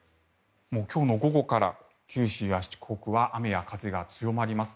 今日の午後から九州や四国は雨や風が強まります。